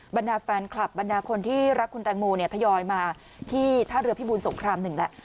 บรรดาแฟนคลับบรรดาคนที่รักคุณแตงโมเนี่ยทยอยมาที่ท่าเรือพิบูลสงครามหนึ่งแล้ว